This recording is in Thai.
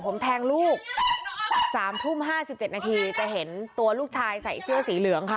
ผมแทงลูก๓ทุ่ม๕๗นาทีจะเห็นตัวลูกชายใส่เสื้อสีเหลืองค่ะ